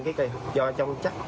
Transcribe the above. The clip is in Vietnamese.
cái cây hút do trong chắc